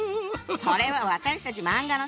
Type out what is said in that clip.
それは私たち漫画の世界！